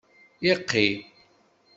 Iqi.